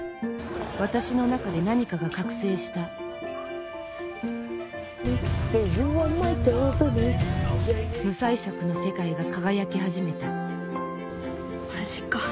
私の中で何かが覚醒した無彩色の世界が輝き始めたマジか。